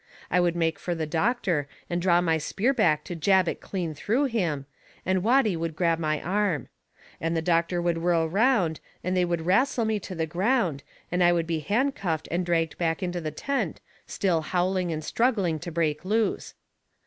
I would make fur the doctor and draw my spear back to jab it clean through him, and Watty would grab my arm. And the doctor would whirl round and they would wrastle me to the ground and I would be handcuffed and dragged back into the tent, still howling and struggling to break loose.